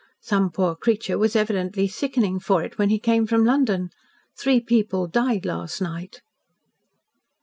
Some poor creature was evidently sickening for it when he came from London. Three people died last night."